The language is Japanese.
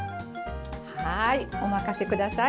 はーい、お任せください。